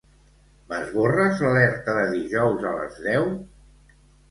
M'esborres l'alerta de dijous a les deu?